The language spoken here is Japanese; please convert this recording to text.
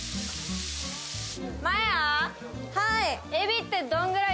はい。